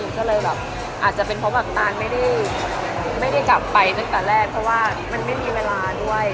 ก็เลยแบบอาจจะเป็นเพราะแบบตานไม่ได้กลับไปตั้งแต่แรกเพราะว่ามันไม่มีเวลาด้วย